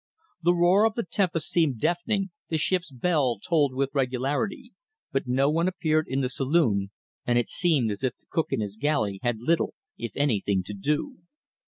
The roar of the tempest seemed deafening, the ship's bell tolled with regularity, but no one appeared in the saloon, and it seemed as if the cook in his galley had little, if anything, to do.